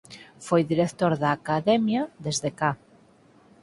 Foi director da Academia desde ca.